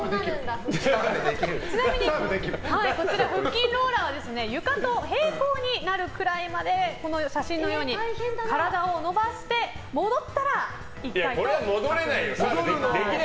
ちなみに腹筋ローラーは床と平行になるくらいまで写真のように体を伸ばして、戻ったらこれは戻れないよ。